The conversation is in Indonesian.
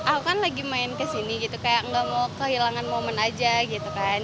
aku kan lagi main kesini gitu kayak gak mau kehilangan momen aja gitu kan